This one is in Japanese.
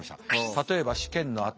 「例えば試験のあと」。